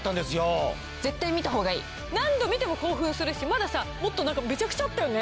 何度見ても興奮するしまださもっとめちゃくちゃあったよね。